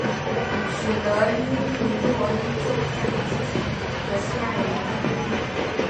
使得伊利诺伊州在密西西比河西岸有一块飞地。